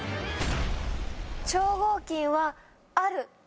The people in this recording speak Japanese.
「超合金」はある。